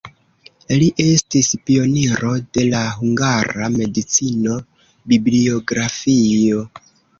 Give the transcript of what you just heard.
Li estis pioniro de la hungara medicino-bibliografio.